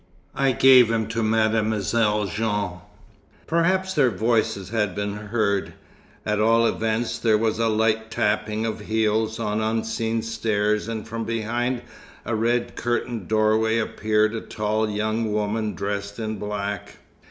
I gave him to Mademoiselle Jeanne." Perhaps their voices had been heard. At all events, there was a light tapping of heels on unseen stairs, and from behind a red curtained doorway appeared a tall young woman, dressed in black.